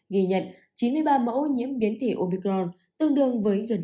ghi nhận chín mươi ba mẫu nhiễm biến thể omicron tương đương với gần tám mươi sáu